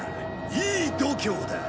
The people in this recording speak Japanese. いい度胸だ！